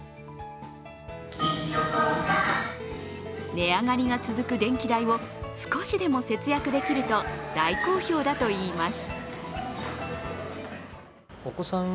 値上がりが続く電気代を少しでも節約できると大好評だといいます。